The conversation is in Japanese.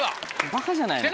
バカじゃないの。